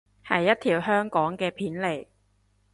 係一條香港嘅片嚟